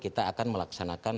kita akan melakukan perlawanan